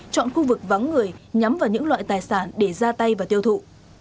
chọn khu vực vắng người nhắm vào những loại tài sản để ra tay và tiêu thụ